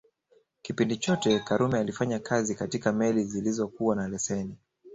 Kipindi chote Karume alifanya kazi katika meli zilizokuwa na leseni